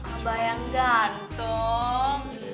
abah yang gantung